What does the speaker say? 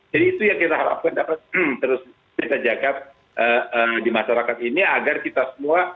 jadi itu yang kita harapkan dapat terus kita jaga di masyarakat ini agar kita semua